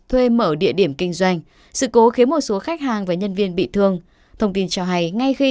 thuê mở địa điểm kinh doanh sự cố khiến một số khách hàng và nhân viên bị thương thông tin cho hay ngay khi